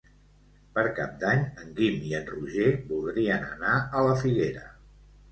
Per Cap d'Any en Guim i en Roger voldrien anar a la Figuera.